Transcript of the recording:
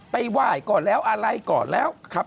ไปไหว้ก่อนแล้วอะไรก่อนแล้วครับ